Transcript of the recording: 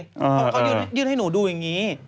เขาก็ยื่นให้หนูดูอย่างนี้